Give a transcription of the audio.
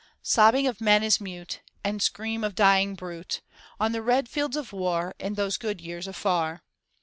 Sobbing of men is mute, And scream of dying brute, On the red fields of war, In those good years afar.